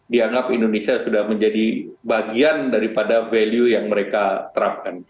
dianggap indonesia sudah menjadi bagian daripada value yang mereka terapkan